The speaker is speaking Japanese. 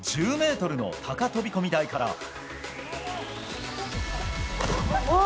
１０ｍの高飛込台から。